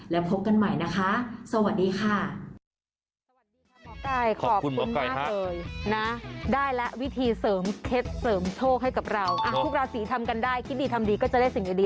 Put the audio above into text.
แล้วพบกันใหม่นะคะสวัสดีค่ะ